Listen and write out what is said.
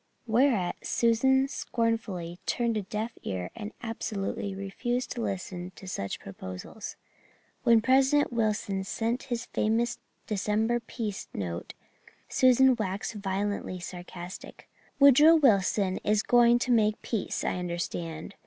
Whereat Susan scornfully turned a deaf ear and absolutely refused to listen to such proposals. When President Wilson sent his famous December peace note Susan waxed violently sarcastic. "Woodrow Wilson is going to make peace, I understand.